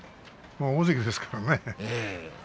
大関ですからね。